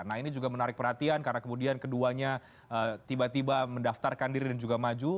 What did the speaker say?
nah ini juga menarik perhatian karena kemudian keduanya tiba tiba mendaftarkan diri dan juga maju